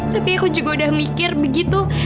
tapi aku juga udah mikir begitu